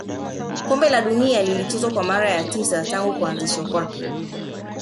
kombe la dunia lilichezwa kwa mara ya tisa tangu kuanzishwa kwake